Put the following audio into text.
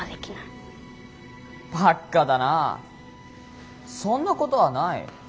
バカだなあそんなことはない。